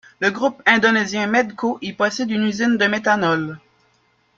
Le groupe indonésien Medco y possède une usine de méthanol.